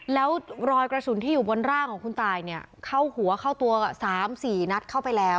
แล้วรอยกระสุนที่อยู่บนร่างของคุณตายเนี่ยเข้าหัวเข้าตัว๓๔นัดเข้าไปแล้ว